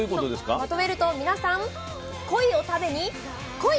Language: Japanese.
まとめると皆さん「コイ」を食べに「来い」！